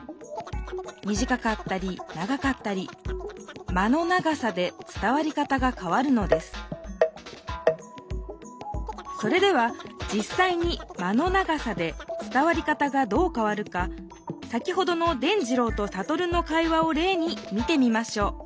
みじかかったり長かったり「間」の長さで伝わり方がかわるのですそれではじっさいに「間」の長さで伝わり方がどうかわるか先ほどの伝じろうとサトルの会話をれいに見てみましょう。